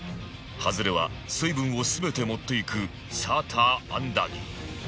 ハズレは水分を全て持っていくサーターアンダギー